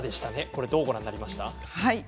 これはどうご覧になりますか？